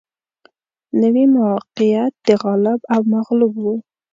نوي موقعیت د غالب او مغلوب و